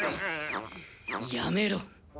やめろ。